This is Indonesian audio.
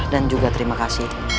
dan juga terima kasih